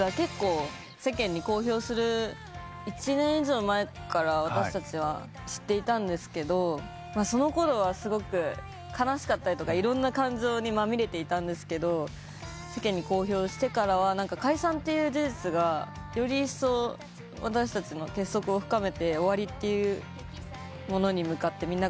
世間に公表する１年以上前から私たちは知っていたんですがそのころはすごく悲しかったりとかいろんな感情にまみれていたんですけど世間に公表してからは解散っていう事実がよりいっそう私たちの結束を深めて終わりっていうものに向かってみんなが同じ方向を向けたなと。